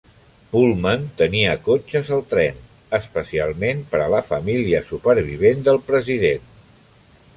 Pullman tenia cotxes al tren, especialment per a la família supervivent del president.